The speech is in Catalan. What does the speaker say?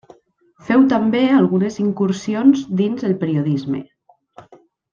Féu també algunes incursions dins el periodisme.